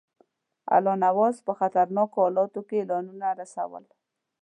الله نواز په خطرناکو حالاتو کې اعلانونه رسول.